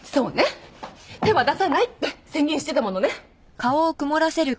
手は出さないって宣言してたものね。